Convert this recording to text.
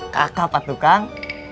kakak pak tukang